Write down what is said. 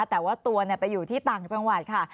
แต่ว่าตัวไปอยู่ที่ต่างจังหวัดค่ะ